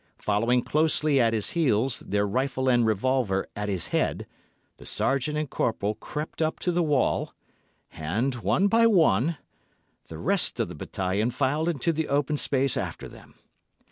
Following closely at his heels, their rifle and revolver at his head, the Sergeant and Corporal crept up to the wall, and, one by one, the rest of the O——s filed into the open space after them.